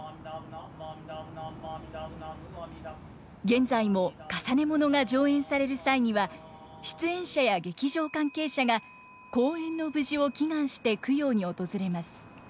現在も累物が上演される際には出演者や劇場関係者が公演の無事を祈願して供養に訪れます。